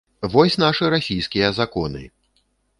Вось нашы расійскія законы!